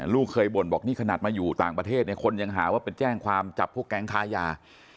ลูกเคยบ่นบอกนี่ขนาดมาอยู่ต่างประเทศเนี่ยคนยังหาว่าเป็นแจ้งความจับพวกแก๊งค้ายา